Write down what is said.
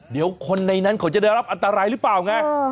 เดี๋ยวคนในนั้นเขาจะได้รับอันตรายหรือเปล่าไง